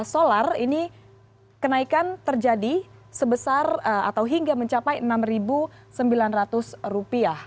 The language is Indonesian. solar ini kenaikan terjadi sebesar atau hingga mencapai enam sembilan ratus rupiah